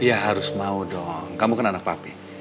ya harus mau dong kamu kan anak papi